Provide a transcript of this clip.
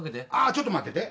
ちょっと待ってて。